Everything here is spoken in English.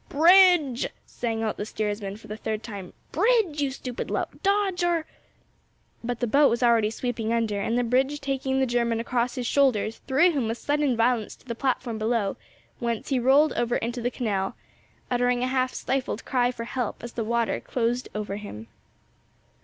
"Bridge!" sang out the steersman for the third time, "bridge, you stupid lout! dodge or" But the boat was already sweeping under, and the bridge taking the German across his shoulders threw him with sudden violence to the platform below, whence he rolled over into the canal, uttering a half stifled cry for help as the water closed over him.